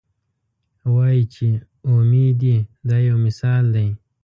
وایي چې اومې دي دا یو مثال دی.